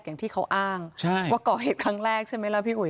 อย่างที่เขาอ้างว่าก่อเหตุครั้งแรกใช่ไหมล่ะพี่อุ๋